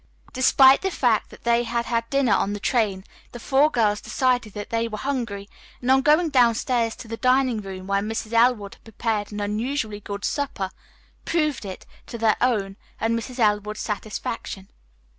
Despite the fact that they had had dinner on the train, the four girls decided that they were hungry, and on going downstairs to the dining room where Mrs. Elwood had prepared an unusually good supper, proved it, to their own and Mrs. Elwood's satisfaction.